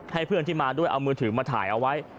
เพื่อนที่มาด้วยเอามือถือมาถ่ายเอาไว้